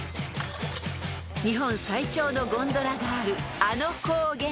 ［日本最長のゴンドラがあるあの高原］